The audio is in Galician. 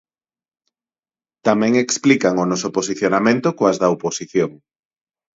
Tamén explican o noso posicionamento coas da oposición.